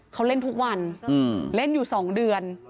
เขาเล่นทุกวันเล่นอยู่๒เดือน